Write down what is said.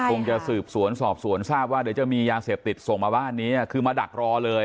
คงจะสืบสวนสอบสวนทราบว่าเดี๋ยวจะมียาเสพติดส่งมาบ้านนี้คือมาดักรอเลย